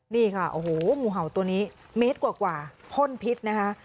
นี่ค่ะโอ้โหงูเห่าตัวนี้เมตรกว่าพ่นพิษนะคะ